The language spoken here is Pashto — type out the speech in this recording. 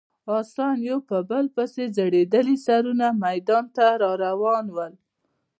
اسان یو په بل پسې ځړېدلي سرونه میدان ته راروان ول.